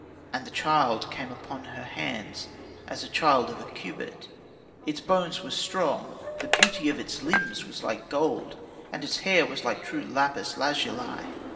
And the child came upon her hands, as a child of a cubit; its bones were strong, the beauty of its limbs was like gold, and its hair was like true lapis lazuli.